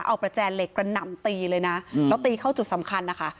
เอาประแจเหล็กกระหน่ำตีเลยนะแล้วตีเข้าจุดสำคัญนะคะ